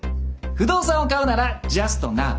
不動産を買うならジャストナウ！